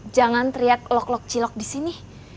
jangan teriak lok lok cilok disini